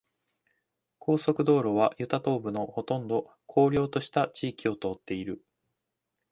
高速道路はユタ東部のほとんど荒涼とした地域を通っている。